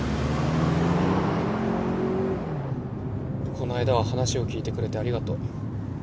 ・こないだは話を聞いてくれてありがとう。